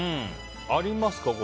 ありますか？